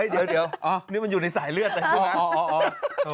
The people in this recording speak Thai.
เฮ้ยเดี๋ยวนี่มันอยู่ในสายเลือดน่ะ